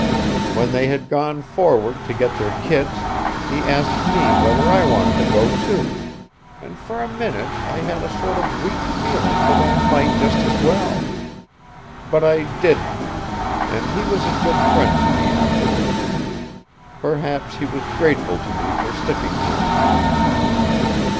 When they had gone forward to get their kits, he asked me whether I wanted to go too, and for a minute I had a sort of weak feeling that I might just as well. But I didn't, and he was a good friend to me afterwards. Perhaps he was grateful to me for sticking to him.